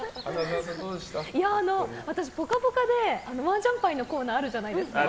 「ぽかぽか」でマージャン牌のコーナーあるじゃないですか。